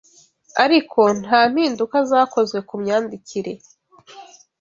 ariko nta mpinduka zakozwe ku myandikire